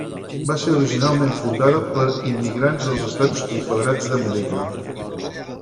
Va ser originalment fundada per immigrants dels Estats Confederats d'Amèrica.